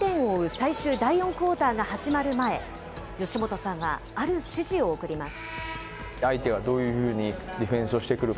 最終第４クオーターが始まる前、吉本さんはある指示を送ります。